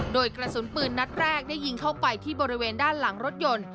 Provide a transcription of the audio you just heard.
โดยกระสุนปืนนัดแรกได้ยิงเข้าไปที่บริเวณด้านหลังรถยนต์